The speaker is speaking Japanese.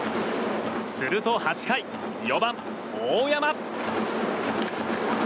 すると８回、４番、大山。